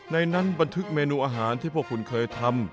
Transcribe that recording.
ในนั้นบันทึกเมนูอาหารที่พวกคุณเคยทำ